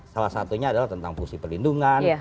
salah satunya adalah tentang fungsi perlindungan